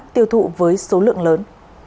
tiêu thụ với số lượng lớn